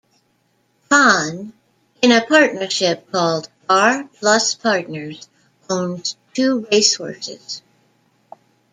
Conn, in a partnership called R Plus Partners, owns two race horses.